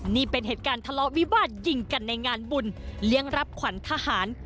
นี่เป็นเหตุการณ์ทะเลาะวิวาสยิงกันในงานบุญเลี้ยงรับขวัญทหาร